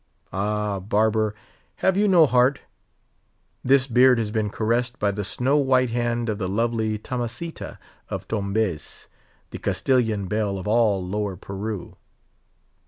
Ah! barber, have you no heart? This beard has been caressed by the snow white hand of the lovely Tomasita of Tombez—the Castilian belle of all lower Peru.